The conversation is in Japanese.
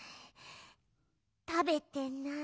たべてない。